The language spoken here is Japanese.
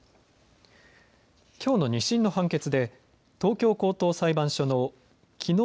きょうの２審の判決で東京高等裁判所の木納